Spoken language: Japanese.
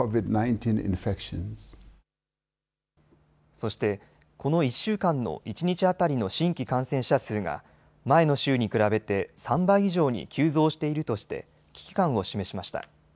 そして、この１週間の一日当たりの新規感染者数が前の週に比べて３倍以上に急増しているとして危機感を示しました。